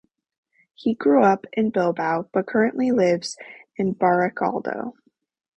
He grew up in Bilbao but currently lives in Barakaldo.